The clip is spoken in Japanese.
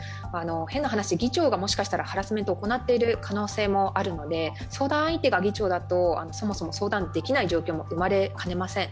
変な話、議長がもしかしたらハラスメントを行っている可能性もあるので相談相手が議長だとそもそも相談できない状況も生まれかねません。